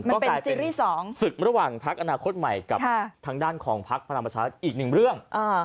ก็กลายเป็นศึกระหว่างปลั๊กอนาคตใหม่กับทั้งด้านพะครับอีกหนึ่งเรื่อง